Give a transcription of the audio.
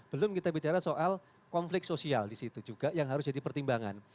belum kita bicara soal konflik sosial di situ juga yang harus jadi pertimbangan